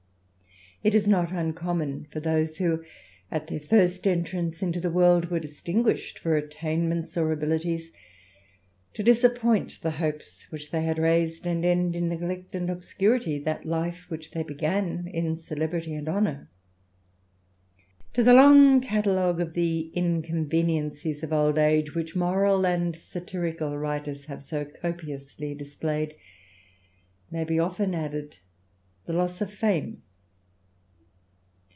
It is not uncommon for those who, at their first entrance into the world, were distinguished for attainments or abilities, to disappoint the hopes which they had raised, and to end in neglect and obscurity that life which they began in celebrity and honour. To the long catalogue of the inconveniencies of old age, which moral and satirical writers have so copiously displayed, may be often added the loss of fame.